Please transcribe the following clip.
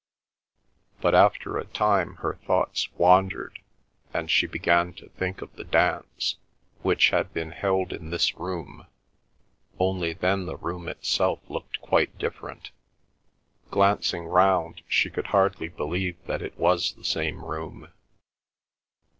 But after a time her thoughts wandered, and she began to think of the dance, which had been held in this room, only then the room itself looked quite different. Glancing round, she could hardly believe that it was the same room.